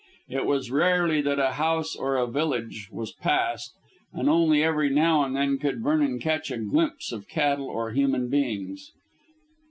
It was rarely that a house or a village was passed, and only every now and then could Vernon catch a glimpse of cattle or human beings.